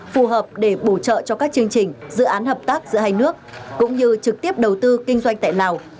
phù hợp để bổ trợ cho các chương trình dự án hợp tác giữa hai nước cũng như trực tiếp đầu tư kinh doanh tại lào